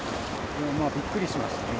びっくりしましたね。